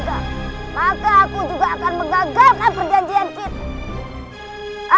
maka aku juga akan menggagalkan perjanjian kita